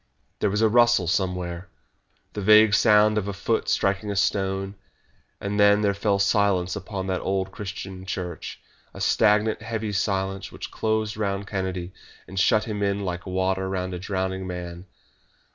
There was a rustle somewhere, the vague sound of a foot striking a stone, and then there fell silence upon that old Christian church a stagnant, heavy silence which closed round Kennedy and shut him in like water round a drowning man.